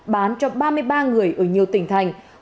bán cho ba mươi ba người ở nhiều tỉnh thành